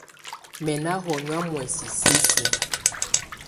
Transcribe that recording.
Mɛ́ ná hɔnyɔ̀á muɛsɛ sisiǝ.